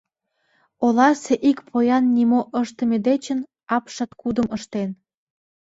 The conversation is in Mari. Оласе ик поян нимо ыштыме дечын апшаткудым ыштен.